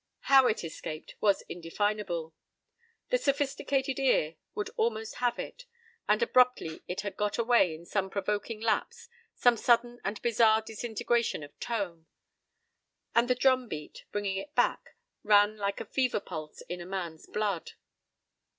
How it escaped was indefinable. The sophisticated ear would almost have it, and abruptly it had got away in some provoking lapse, some sudden and bizarre disintegration of tone. And the drumbeat, bringing it back, ran like a fever pulse in a man's blood.